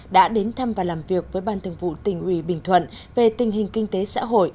đã đến thăm và làm việc với ban thường vụ tỉnh ủy bình thuận về tình hình kinh tế xã hội